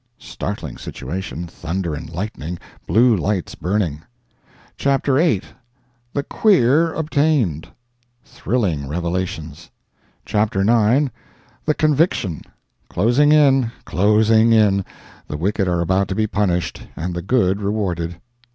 "—startling situation—thunder and lightning—blue lights burning. Chapter VIII.—"The 'Queer' Obtained!"—thrilling revelations. Chapter IX.—"The Conviction!"—closing in, closing in; the wicked are about to be punished, and the good rewarded.